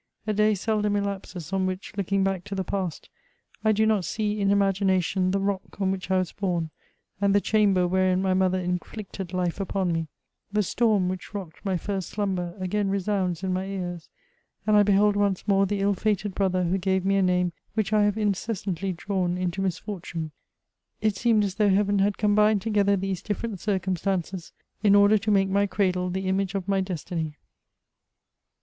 A day seldom elapses on which, looking back to the past, I do not see in imagination the rock on which I was bom, and the chamber wHerein my mother inflicted life upon me : the storm which rocked my first slumber, again resounds in my ears, and I behold once more the iU fated brother who gave me a name which I have incessantly drawn into misfortune ! It seemed as though Heaven had combined together these ^ different circumstances in order to make my cradle the image of my destiny.